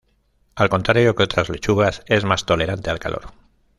Al contrario que otras lechugas es más tolerante al calor.